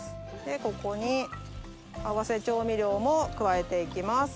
ここに合わせ調味料も加えて行きます。